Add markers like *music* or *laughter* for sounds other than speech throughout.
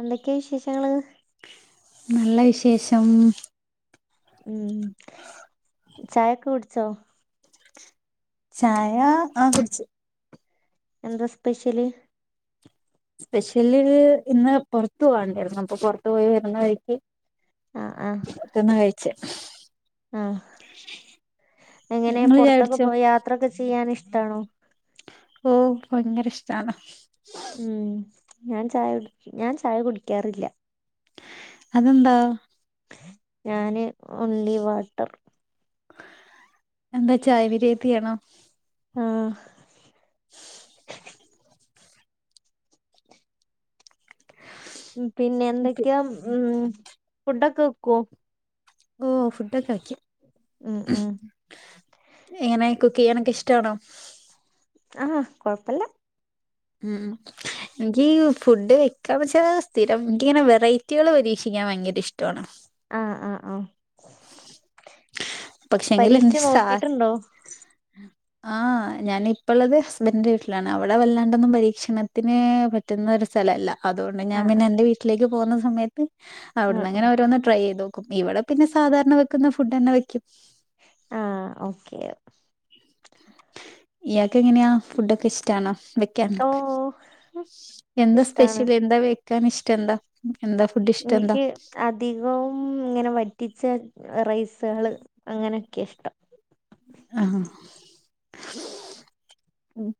എന്തൊക്കെ വിശേഷങ്ങൾ നല്ല വിശേഷം ഉം ചായൊക്കെ കുടിച്ചോ ചായ ആഹ് കുടിച്ച് എന്താ സ്പെഷ്യൽ സ്പെഷ്യൽ ഇന്ന് പുറത്തു പോകണ്ടായിരുന്നു അപ്പൊ പുറത്തു പോയി വരുന്ന വഴിക്ക് ആഹ് ആഹ് പോർത്ത്ന്ന കഴിച്ചേ ആഹ് എങ്ങനെ നിങ്ങള് ചായ പുറത്തൊക്കെ കുടിച്ചോ പോയ് യാത്രൊക്കെ ചെയ്യാൻ ഇഷ്ടാണോ ഓ ഭയങ്കര ഇഷ്ടാണ് ഉം ഞാൻ ചായ കുടി ഞാൻ ചായ കുടിക്കാറില്ല അതെന്താ ഞാന് ഓൺലി വാട്ടർ എന്താ ചായ വിരോധിയാണോ ആഹ് *inaudible* പിന്നെ എന്തൊക്കാ ഉഫുഡൊക്കെ വെക്കോ ഓഹ് ഫുഡൊക്കെ വെക്കും ഉം ഉം എങ്ങനെ കുക്കയ്യനൊക്കെ ഇഷ്ടാണോ ആഹ് കൊഴപ്പല്ല്യ ഉം ഉം ന്ക്ക് ഫുഡ് വെക്കാന്ന് വെച്ചാൽ സ്ഥിരം എനിക്കിങ്ങനെ വെറൈറ്റികൾ പരീക്ഷിക്കാൻ ഭയങ്കര ഇഷ്ടമാണ് ആഹ് ആഹ് ആഹ്. പക്ഷെങ്കിൽ എന്റെ പരീക്ഷിച് സാ നോക്കിട്ടുണ്ടോ ആഹ് ഞാനിപ്പള്ളത് ഹസ്ബൻഡിന്റെ വീട്ടിലാണ്. അവടെ വല്ലാണ്ടൊന്നും പരീക്ഷണത്തിന് പ റ്റുന്നൊരു സ്ഥലല്ല. അതുകൊണ്ട് ഞാൻ ആഹ് പിന്നെ എന്റെ വീട്ടിലേക്ക് പോകുന്ന സമയത്ത് അവിടുന്ന് ആഹ് അങ്ങനെ ഓരോന്ന് ട്രൈ ചെയ്തോ ക്കും. ഇവടെ പിന്നെ സാധാരണ വെക്കുന്ന ഫുഡന്നെ വെക്കും. ആഹ് ഓക്കെ ഇയാക്ക് എങ്ങനെയാ ഫുഡൊക്കെ ഇഷ്ടാണോ? വെ ക്ക്യാൻ. ഓ എന്താ ഇഷ്ടാണ് സ്പെഷ്യൽ എന്താ വെക്കാൻ ഇഷ്ടം എന്താ എന്താ ഫുഡ് ഇഷ്ടം എന്താ ഇന്ക്ക് അധികവും ഇങ്ങനെ വറ്റിച്ച റൈസേള് അങ്ങനെയൊക്കെ ഇഷ്ടം ആഹാ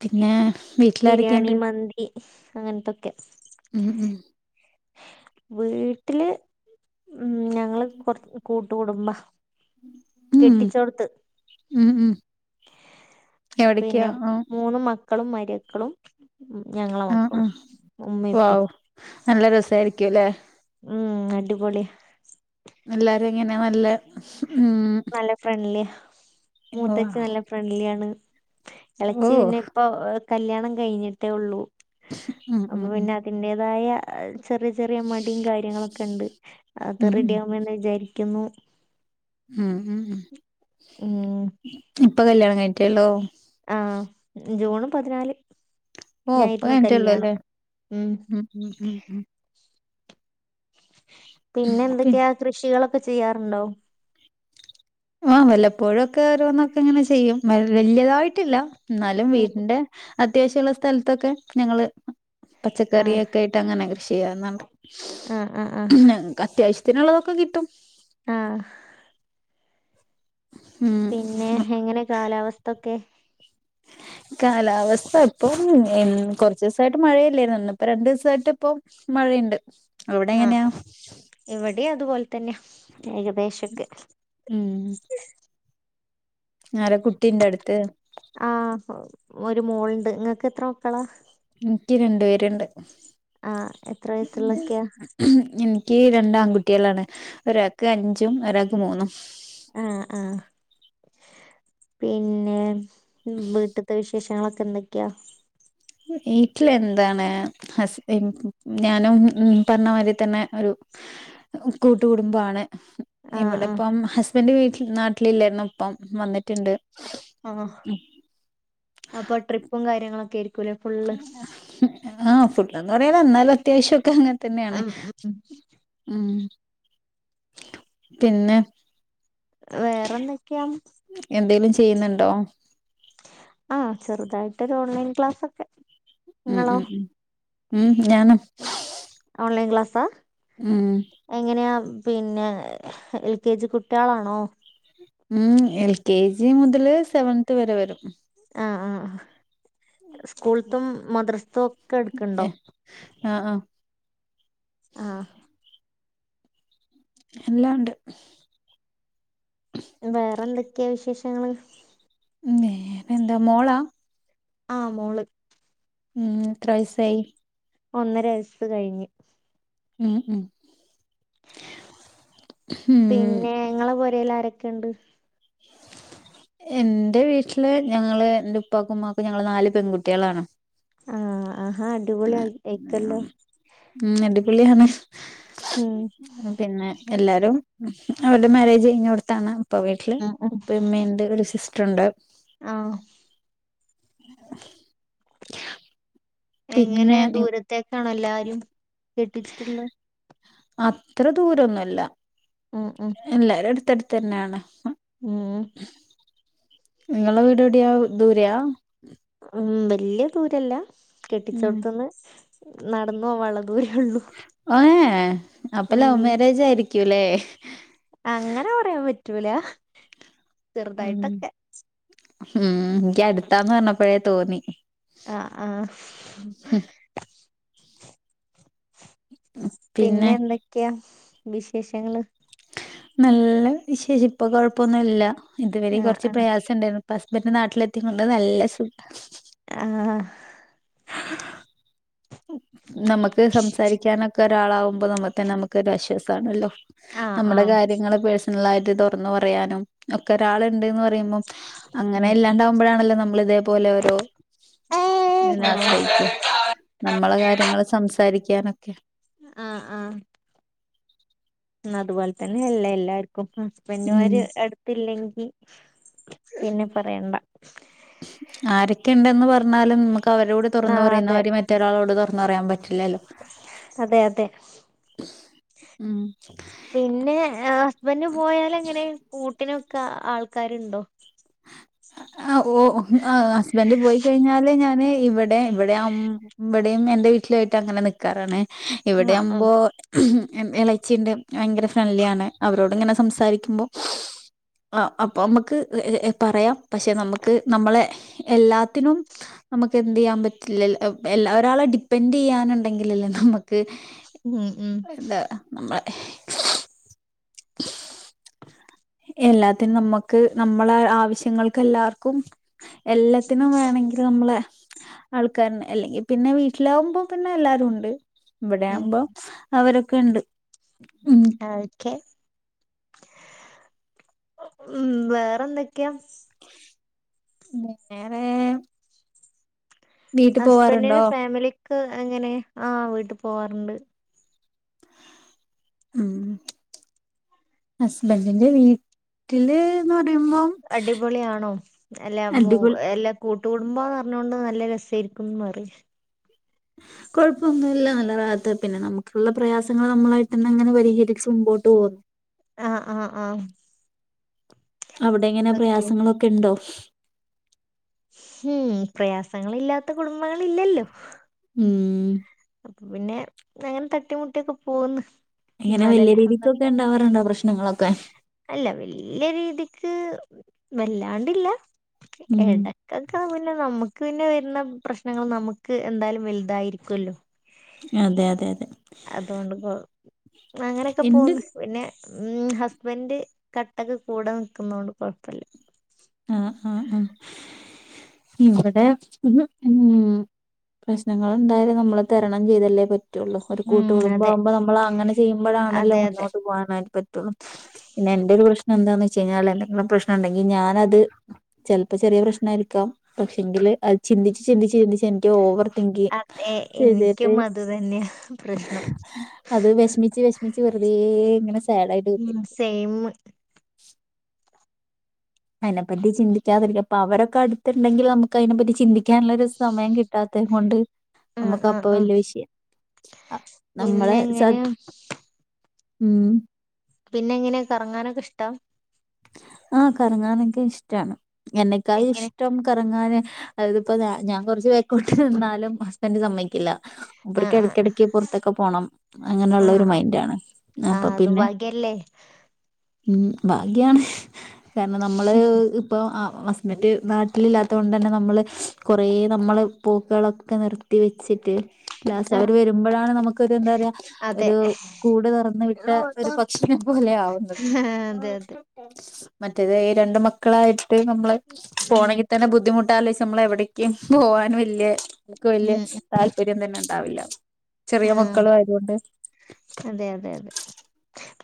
പിന്നെ ബിരിയാണി വീട്ടിലാരെക്കെണ്ട്? മന്തി അങ്ങനത്തൊക്കെ ഉം ഉം വീട്ടില് മ് ഞങ്ങള് കൊറ കൂട്ടു കുടുംബാ ഉം കെട്ടിച്ചോട്ത്ത് ഉം ഉം എവിടേക്കാ പിന്നെ, ആഹ് മൂന്ന് മ ക്കളും മര്യക്കളും ഞങ്ങളെ ആഹ് മക്കളും ആഹ് ഉമ്മിം വൗ ഉപ്പിം നല്ല രസായിരിക്ക്യു ല്ലെ. ഉം അടിപൊളിയാ എല്ലാരും എങ്ങന്യാ നല്ല ഉം നല്ല ഫ്രണ്ട്ലിയ. വാ മൂത്തചി നല്ല ഫ്രണ്ട്ലിയാണ്. ഓ എളച്ചി പിന്നെ ഇപ്പൊ കല്യാണം കഴിഞ്ഞിട്ടേ ഉള്ളൂ. ഉം അപ്പൊ ഉം ഉം പിന്നെ അതിന്റേതായ ചെറിയ ചെറിയ മടിയും കാര്യങ്ങളൊക്കെണ്ട് അത് ഉം ഉം റെഡിയാവുമെന്ന് വിചാരിക്കുന്നു. ഹും ഉം ഉം ഉം ഇപ്പ കല്യാണം കഴിഞ്ഞിട്ടെ ഒള്ളോ? ആഹ് ജൂണ് പതിനാല്. ഓഹ് ഇപ്പം നായിരുന്നു കഴിഞ്ഞിട്ടെ ഒള്ളു കല്യാണം ലെ. ഉം ഉം ഉം ഉം പിന്നെ എന്തൊക്കെയാ, കൃഷികളൊക്കെ ചെയ്യാറുണ്ടോ? ആഹ് വല്ലപ്പോഴൊക്കെ ഓരോന്ന് ഒക്കെ ഇങ്ങനെ ചെയ്യും. വെൽ വെല്ല്യതായിട്ട് ഇല്ല ഇന്നാലും ഉം വീടിന്റെ അത്യാവശ്യ ഒള്ള സ്ഥലത്തൊക്കെ ഞങ്ങള് പച്ചകറി ആഹ് ഒക്കെ ആയിട്ട് അങ്ങനെ കൃഷി ചെയ്യന്നണ്ട് ആഹ് ആഹ് ആഹ് ഉം ന്നെ ക്കത്യാവശ്യത്തിന് ഉള്ളത് ഒക്കെ കിട്ടും ആഹ് ഉം പിന്നെ, എങ്ങനെ കാലാവസ്ഥൊക്കെ? കാലാവസ്ഥ ഇപ്പം ഉം കൊറച്ചീസായിട്ട് മഴയല്ലേര്ന്നൊ. ഇന്ന് ഇപ്പം രണ്ടീസായിട്ട് ഇപ്പം മഴ ഴ്ണ്ട്. അവിടെ എങ്ങനെയാ? ഇവടിം അതുപോൽ തന്ന്യാ ഏകദേശൊക്കെ ഉം ആര കുട്ടിൻ്റട്ത്ത്? ആഹ് ഒരു മോള് ണ്ട്. ഇങ്ങക്ക് എത്ര മക്കളാ? ഇൻക്ക് രണ്ട് പേര് ണ്ട്. ആഹ് എത്ര വയസ്സ്ള്ള ഒക്ക്യാ. ഇൻക്ക് രണ്ട് ആൺകുട്ടികളാണ്. ഒരാക്ക് അഞ്ചും ഒരാക്ക് മൂന്നും. ആഹ് ആഹ്. പിന്നെ ഉം വീട്ട് ത്തെ വിശേഷങ്ങള് ഒക്കെ എന്തൊക്ക്യാ? വീട്ടില് എന്താണ് ഹസ് ഇം ഞാനും ഉം പറഞ്ഞ മാതിരി തന്നെ ഒരു കൂട്ടുകടുംബ ആണ്. ആഹ് ഇവിടെ ആഹ് ഇപ്പം ഹസ്ബൻഡ് വീട്ടിൽ നാട്ടിലില്ലായിരിന്നു ഇപ്പം വന്നിട്ട്ണ്ട് ആഹ്. അപ്പം ട്രിപ്പും കാര്യങ്ങള് ഒക്കേര് ആഹ് ഫുള്ളാന്ന് പറയാന എന്നാലും അത്യാവശ്യം ഒക്കെ അങ്ങൻ തന്നേണ്. ഉം ഉം പിന്നെ വേറെന്തൊക്കെയ എന്തേലും ചെയ്യുന്നുണ്ടോ ആഹ് ചെറുതായിട്ട് ഒരു ഓൺലൈൻ ക്ലാസ്സ് ഒക്കെ ഉം ഉം ഉ ഉം ഞാനും ഓൺലൈൻ ക്ലാസ്സാ ഉം എങ്ങനെയാ പിന്നെ എൽ കെ ജി കുട്ടികളാണോ ഉം എൽ കെ ജി മുതല് സെവൻന്ത് വരെ വരും ആഹ് ആഹ് സ്കൂളത്തും മദ്രസത്തും ഒക്കെ എടുക്കണ്ടോ ആഹ് ആഹ് ആഹ് എല്ലാം എണ്ട് വേറെ എന്തൊക്കെയാ വിശേഷങ്ങള് ഇങ്ങേ എന്ത മോള ആ മോള് ഉം എത്ര വയസ്സ് ആയി ഒന്നര വയസ് കഴിഞ്ഞു ഉം ഉം ഉം പിന്നെ നിങ്ങളെ പോരല്ല് ആരൊക്കെയണ്ട് എന്റെ വീട്ടില് ഞങ്ങള് എന്റെ ഉപ്പാക്കും ഉമ്മാക്കും ഞങ്ങള് നാല് പെൺകുട്ടികളാണ് ആഹ് ആഹാ അടിപൊളി ആയി ആയിക്കല്ലോ ഉം ഉം അടിപൊളി ആണ് ഉം പിന്നെ എല്ലാരും അവരു മാരേജ് കഴിഞ്ഞ ഒടത്താണ് ഇപ്പ വീട്ടില് ഉം ഉം ഉപ്പമ്മേണ്ട് ഒരു സിസ്റ്റർ ഒണ്ട് ആഹ് എങ്ങനെ പിന്നെ ദൂരത്തെക്കാണോ എല്ലാരും കെട്ടിച്ചിട്ടുള്ളത് അത്ര ദൂരൊന്നുമല്ല ഉം ഉം എല്ലാരും അടുത്ത് അടുത്ത് തന്നെയാണ് ഉം നിങ്ങളെ വീട് എവിടെയാ ദൂരയാ ഉം വലിയ ദൂരല്ല കെട്ടിച്ചിട്ത്തുന്ന് നടന്നു പോകാനുള്ള ദൂരേ ഉള്ളൂ ഒ ഏഹ് അപ്പൊ ലൗ ഉം മാരേജ് ആയിരിക്കൂല്ലേ അങ്ങനെ പറയാൻ പറ്റൂല ഉം ചെറുതായിട്ടൊക്കെ ഉം എനിക്ക് അടുത്താന്ന് പറഞ്ഞപ്പോഴേ തോന്നി ആഹ് ആഹ് പിന്നെ എന്തൊക്കെയാ വിശേഷങ്ങള് നല്ല വിശേഷം ഇപ്പൊ കൊഴപ്പൊന്നുമല്ല ഇതുവരെ ആഹ് കുറച്ച് ആഹ് പ്രയാസ ഉണ്ടായിരുന്നു ഹസ്ബൻഡ് നാട്ടിലെത്തി കൊണ്ട് നല്ല സുഖ ആഹ് *inaudible* നമുക്ക് സംസാരിക്കാനൊക്കെ ഒരാളാകുമ്പോ നമ്മ തന്നെ നമുക്കോരാശ്വാസ ആണല്ലോ. ആഹ് നമ്മുടെ ആഹ് കാര്യങ്ങള് പേഴ്സണലായിട്ട് തുറന്നു പറയാനും ഒക്കെ ഒരാളുണ്ട്ന്ന് പറയുമ്പോ അങ്ങനെ ഉം ഇല്ലാണ്ടാവുമ്പോഴാണല്ലോ നമ്മൾ ഇതേപോലെ ഓരോ ആഹ് ഇതിനൊശ്രയിക്കുക്ക നമ്മളെ കാര്യങ്ങൾ സംസാരിക്കാനൊക്കെ ആഹ് ആഹ് അതുപോലെ തന്നെ അല്ലെ എല്ലാർക്കും ഉം ഹസ്ബൻഡുമാര് അടുത്തില്ലെങ്കിൽ പിന്നെ പറയണ്ട ആരൊക്കെ ഉണ്ടെന്ന് പറഞ്ഞാലും നമുക്ക് അവരോട് തുറന്ന് ആഹ് അതെ പറയുന്നമാതിരി മറ്റൊരാളോട് തുറന്ന് പറയാൻ പറ്റ് പറ്റില്ലല്ലോ അതെ അതെ ഉം പിന്നെ ഹസ്ബന്ഡ് പോയൽ എങ്ങനെ കൂട്ടിനൊക്കെ ആൾക്കാരുണ്ടോ ആഹ് ഓ ആഹ് ഹസ്ബൻഡ് പോയി കഴിഞ്ഞാല് ഞാന് ഇവിടെ ഇടെ ഇവിടെ ഇവിടെയും എന്റെ വീട്ടിലായിട്ട് അങ്ങനെ നിക്കാറാണ് ആഹ് ആഹ് ഇവിടെയാവുമ്പോ ഇളച്ചിണ്ട് ഭയങ്കര ഫ്രണ്ട്ലി ആണ് അവരോട് ഇങ്ങനെ സംസാരിക്കുമ്പോൾ ആഹ് അപ്പൊ നമുക്ക് പറയാം പക്ഷെ നമുക്ക് നമ്മളെ എല്ലാത്തിനും നമുക്ക് എന്ത് ചെയ്യാൻ പറ്റില്ല എല്ലാ ഒരാളെ ഡിപ്പെെൻഡ് ചെയ്യാനുണ്ടെങ്കിലല്ലേ നമുക്ക് ഉം ഉം ഇന്താ നമ്മള *inaudible* എല്ലാത്തിനും നമ്മുക്ക് നമ്മള ആവശ്യങ്ങൾക്ക് എല്ലാവർക്കും എല്ലാത്തിനും വേണെങ്കിൽ നമ്മള് ആൾക്കാരന് അല്ലെങ്കിൽ പിന്നെ വീട്ടിലാകുമ്പോ പിന്നെ എല്ലാവരും ഉണ്ട് ഉം ഇവിടെയാകുമ്പോ അവരൊക്കെ ഉണ്ട് ഉം ഒക്കെ ഉം വേറെന്തൊക്കെയാ വേറെ വീട്ടിൽ പോവാറുണ്ടോ ഹസ്ബൻഡിന്റെ ഫാമിലിക്ക് എങ്ങനെ ആഹ് വീട്ടിൽ പോവാറുണ്ട്. ഉം ഹസ്ബൻഡിന്റെ വീട്ടില്ന്ന് പറയുമ്പോം അടിപൊളിയാണോ എല്ലാ മു അടിപൊളി എല്ല കൂട്ടു കുടുംമ്പാന്ന് പറഞ്ഞോണ്ട് നല്ല രസമായിരിക്കുന്ന് പറയാ കുഴപ്പമൊന്നു ഇല്ല നല്ലത്ത് പിന്നെ നമുക്കുള്ള പ്രയാസങ്ങൾ നമ്മളായിട്ട് തന്നെ അങ്ങനെ പരിഹരിച്ച് മുമ്പോട്ട് പോകുന്നു ആഹ് ആഹ് ആഹ് അവിടെ എങ്ങനെ ഓക്കെ ഉം പ്രയാസങ്ങളൊക്കെ ഉണ്ടോ ഹേയ് പ്രയാസങ്ങളില്ലാത്ത കുടുംബങ്ങൾ ഇല്ലല്ലോ ഉം അപ്പ പിന്നെ അങ്ങനെ തട്ടിമുട്ടിയൊക്കെ പോന്ന് ഇങ്ങനെ വല്യ രീതിക്കൊക്കെ ഉണ്ടാവാറുണ്ടോ പ്രശ്നങ്ങളൊക്കെ അല്ല വല്ലിയ രീതിക്ക് വല്ലാണ്ടില്ല ഉം ഏട കക്ക പിന്നെ നമ്മക്ക് പിന്നെ വരുന്ന പ്രശ്നങ്ങൾ നമുക്ക് എന്തായാലും വലുതായിരിക്കുല്ലോ അതെ അതെ അതെ അതുകൊണ്ട് അങ്ങനെയൊക്കെ എന്റെ പോന്ന് പിന്നെ ഉം ഹസ്ബൻഡ് കട്ടക്ക് കൂടെ നിൽക്കുന്ന കൊണ്ട് കുഴപ്പില്ല ആഹ് ആഹ് ആഹ് ഇവിടെ ഉം പ്രശ്നങ്ങൾ ഉണ്ടായത് നമ്മള് തരണം ചെയ്തല്ലേ പറ്റ റ്റുള്ള ഒരു ഉം കൂട്ട് കുടുംബം അതെ ആകുമ്പോ നമ്മൾ അങ്ങനെ ചെയ്യുമ്പോഴാണല്ലോ അതെ അതെ മുന്നോട്ട് പോകാൻ പറ്റും പിന്നെ എന്റെ ഒരു പ്രശ്ം എന്താന്ന് വെച്ച് കഴിഞ്ഞാ എന്തെങ്കും പ്രശ്ന ഉണ്ടെങ്കിൽ ഞാനത് ചെലപ്പോ ചെറിയ പ്രശ്ന ആരിക്കാം പക്ഷെങ്കില് അത് ചിന്തിച്ച് ചിന്തിച്ച് ചന്തിച്ച് എനിക്ക് ഓവർ തിങ്കിങ് അതെ ചെയ്തിട്ട് എനിക്കും അത് തന്നെയാ പ്രശ്നം അത് വിഷമിച്ച് വിഷമിച്ച് വെറുതെ ഇങ്ങനെ സാഡ് ആയിട്ട് ഉം കുത്തിരിക്കു സെയിം അതിനെപ്പറ്റി ചിന്തിക്കാതിരിക്ക അപ്പ അവരൊക്ക അടുതുണ്ടെങ്കിൽ നമുക്ക് അതിനെപ്പറ്റി ചിന്തി ക്കാനുള്ളരു സമയം കിട്ടാത്ത കൊണ്ട് ആഹ് നമുക്ക് ആഹ് അപ്പൊ ആഹ് വലിയ വിഷയം ആഹ് നമ്മളെ പിന്നെ സ എങ്ങനെയാ ഉം പിന്നെ എങ്ങനെയ കറങ്ങാനൊക്കെ ഇഷ്ട ആഹ് കറങ്ങാനൊക്കെ ഇഷ്ടാണ് എന്നക്കായി എങ്ങനെ ഇഷ്ടം കറങ്ങാനെ അതിപ്പോ ഞാൻ കുറച്ച് ബാക്കിലോട്ട് നിന്നാലും ഹസ്ബന്റ് സമ്മയിക്കില്ല ആഹ് ആഹ് മുപർക്കിടയ്ക്കിടക്ക് പുറത്തൊക്കെ പോണം അങ്ങനെയുള്ള ആഹ് ഒരു മൈൻഡാണ് അപ്പൊ ആഹ് അത് പിന്നെ ഭാഗ്യല്ലേ ഉം ഭാഗ്യാണ് കാരണം നമ്മള് ഇപ്പോൾ ഹസ്ബൻ്റ് നാട്ടിലില്ലാത്ത കൊണ്ട് തന്നെ നമ്മൾ കുറേ നമ്മൾ പോക്കുകളൊക്കെ നിർ ത്തി വെച്ചിട്ട് ലാസ്റ്റ് ആഹ് അവര് വരുമ്പോഴാണ് നമുക്കൊരു എന്താ പറയാ അതെ ഒരു കൂട് തുറന്ന് വി ഇല്ലാത്തൊരു പക്ഷിനെ പോലെയാവുന്നു അതെ അതെ മറ്റേത് രണ്ട് മക്കളായിട്ട് നമ്മള് ഉം പോണെങ്കി തന്നെ ബുദ്ധിമുട്ടാലോ നമ്മളെവിടേക്കും പോകാൻ വല്യ വല്യ ഉം ഉം താല്പര്യം തന്നെ ഉണ്ടാവില്ല ചെറിയ ആഹ് മക്കളും ആയതുകൊണ്ട് അതെ അതെ അതെ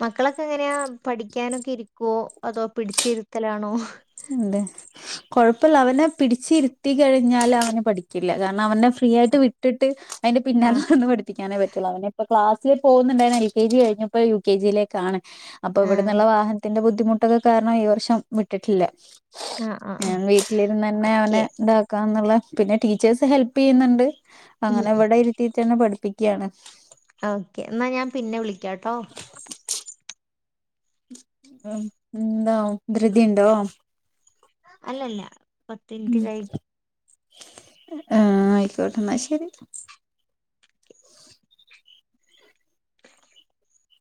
മക്കളൊക്കെ എങ്ങനെയാ പഠിക്കാനൊക്കെ ഇരിക്കുവോ അതോ പിടിച്ചിരുത്തലാണോ അതെ കൊഴപ്പമില്ല അവനെ പിടിച്ച് ഇരുത്തി കഴിഞ്ഞാല് അവന് പഠിക്കില്ല കാരണം അവനെ ഫ്രീ ആയിട്ട് വി ട്ടിട്ട് അതിന്റെ പിന്നാലെ ആഹ് നടന്ന് പഠി പ്പിക്കാനേ പറ്റുള്ളൂ. അവനിപ്പൊ ക്ലാസ്സില് പോകുന്നുണ്ടായിന്നു എൽ കെ ജി കഴിഞ്ഞിപ്പോ യു കെ ജിയിലേക്കാണ് അപ്പൊ ആഹ് ഇവിടെന്നുള്ള വാഹനത്തിന്റെ ബുദ്ധിമുട്ടൊക്കെ കാരണം ഈ വർഷം വിട്ടിട്ടില്ല ആഹ് ആഹ് ആഹ് ഞൻ വീട്ടിലിരുന്ന് തന്നെ ഓക്കെ അവനെ ഇതാക്കാന്നുള്ള പിന്നെ ടീച്ചേഴ്സ് ഹെൽപ് ചെയ്യുന്നുണ്ട്, ഉം അങ്ങനെ ഉം എവിടെ ഇരുത്തി തന്നെ പഠിപ്പിക്കുകയാണ് ഓക്കെ എന്നാൽ ഞാൻ പിന്നെ വിളിക്കാം ട്ടോ ഉം എന്താ ധൃതിണ്ടോ അല്ലല്ല പത്തുമിനിറ്റ് കഴിഞ്ഞ് ആഹ് ആയിക്കോട്ട് എന്നാ ശരി